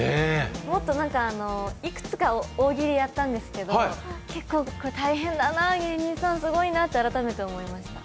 もっと、いくつか大喜利やったんですけど、大変だな、芸人さん、すごいなって改めて思いました。